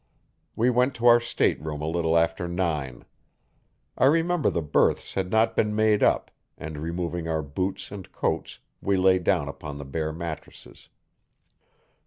We went to our stateroom a little after nine. I remember the berths had not been made up, and removing our boots and coats we lay down upon the bare mattresses.